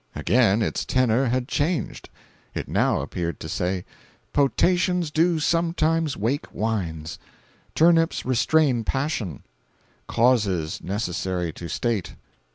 Again its tenor had changed. It now appeared to say: "Potations do sometimes wake wines; turnips restrain passion; causes necessary to state.